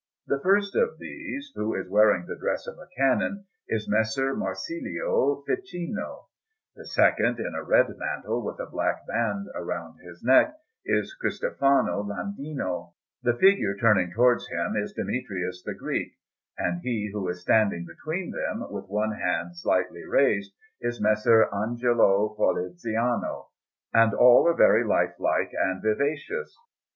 The first of these, who is wearing the dress of a Canon, is Messer Marsilio Ficino; the second, in a red mantle, with a black band round his neck, is Cristofano Landino; the figure turning towards him is Demetrius the Greek; and he who is standing between them, with one hand slightly raised, is Messer Angelo Poliziano; and all are very lifelike and vivacious.